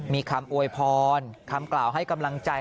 มีคำอวยพรคำกล่าวให้กำลังใจ